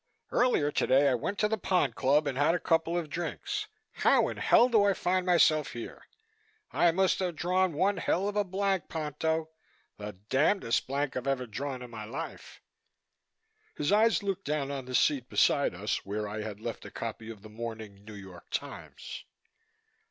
Earlier today I went to the Pond Club and had a couple of drinks. How in hell do I find myself here? I must have drawn one hell of a blank, Ponto, the damndest blank I've ever drawn in my life." His eyes looked down on the seat beside us, where I had left a copy of the morning New York Times.